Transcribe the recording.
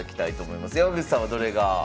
山口さんはどれが？